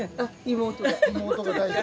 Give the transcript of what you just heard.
妹が。